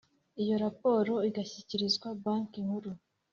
Iyo raporo igashyikirizwa Banki Nkuru